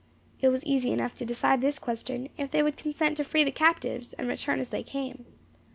It was easy enough to decide this question, if they would consent to free the captives and return as they came.